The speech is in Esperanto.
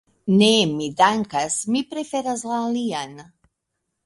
Ne, mi dankas, mi preferas la alian.